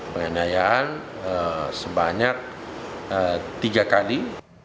penganiayaan sebanyak tiga kali